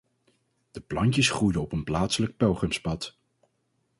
De plantjes groeiden op een plaatselijk pelgrimspad.